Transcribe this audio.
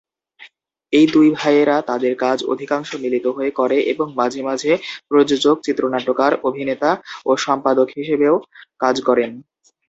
এই দুই ভাইয়েরা তাদের কাজ অধিকাংশ মিলিত হয়ে করে এবং মাঝে মাঝে প্রযোজক, চিত্রনাট্যকার, অভিনেতা এবং সম্পাদক হিসেবেও কাজ করেন।